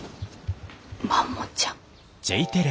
マモちゃん。